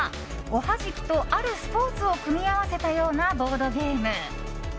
おはじきと、あるスポーツを組み合わせたようなボードゲーム。